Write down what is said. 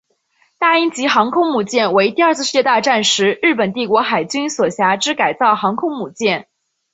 大鹰级航空母舰为第二次世界大战时日本帝国海军所辖之改造航空母舰。